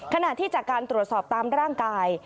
ขณะที่จากการตรวจสอบตามร่างกาย